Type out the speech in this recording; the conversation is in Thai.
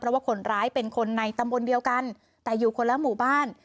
เพราะว่าคนร้ายเป็นคนในตำบลเดียวกันแต่อยู่คนละหมู่บ้าน